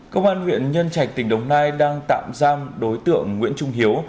công an huyện nhân trạch tỉnh đồng nai đang tạm giam đối tượng nguyễn trung hiếu